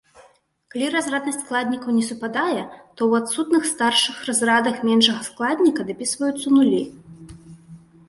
Калі разраднасць складнікаў не супадае, то ў адсутных старшых разрадах меншага складніка дапісваюцца нулі.